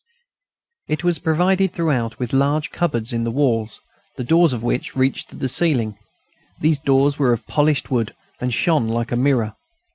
It was provided throughout with large cupboards in the walls, the doors of which reached to the ceiling. These doors were of polished wood, and shone like a mirror.